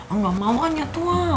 enggak mau kan ya tua